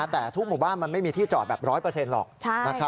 แต่ทุกหมู่บ้านมันไม่มีที่จอดแบบร้อยเปอร์เซ็นต์หรอก